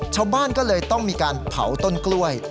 ชาวบ้านก็เลยต้องมีการเผาต้นกล้วย